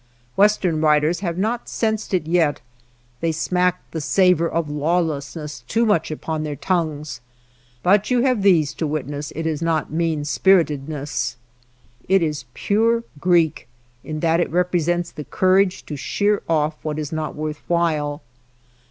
Western writers have not sensed it yet ; they smack the savor of lawlessness too much upon their tongues, but you have these to witness it is not mean spiritedness. It is pure Greek in that it represents the courage to sheer off what is not worth while.